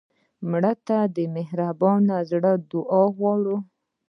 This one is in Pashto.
مړه ته د مهربان زړه دعا غواړو